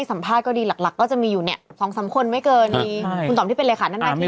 แต่หลายคนก็อาจจะนึกถึงชื่อคุณหมายนะ